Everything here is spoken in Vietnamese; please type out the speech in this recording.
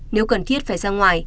nếu cần thiết phải ra ngoài